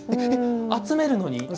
集めるのに！？